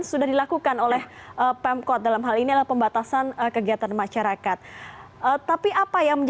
sudah dilakukan oleh pemkot dalam hal ini adalah pembatasan kegiatan masyarakat tapi apa yang